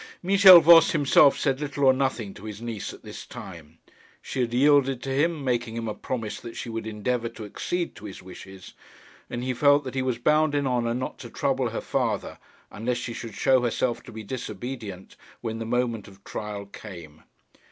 Michel Voss himself said little or nothing to his niece at this time. She had yielded to him, making him a promise that she would endeavour to accede to his wishes, and he felt that he was bound in honour not to trouble her farther, unless she should show herself to be disobedient when the moment of trial came.